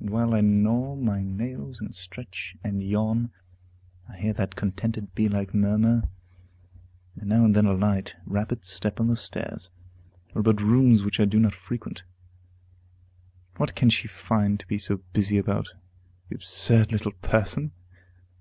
And while I gnaw my nails, and stretch, and yawn, I hear that contented, bee like murmur, and now and then a light, rapid step on the stairs, or about rooms which I do not frequent. What can she find to be so busy about, the absurd little person?